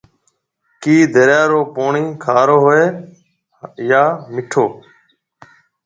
ڪِي دريا رو پوڻِي کارو هوئي هيَ يان مِٺو؟